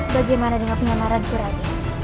bagaimana dengan penyamaranku rai